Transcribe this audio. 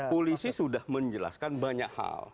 polisi sudah menjelaskan banyak hal